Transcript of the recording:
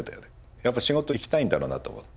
やっぱ仕事行きたいんだろうなと思って。